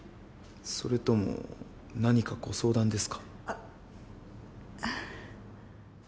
それとも何かご相談ですか？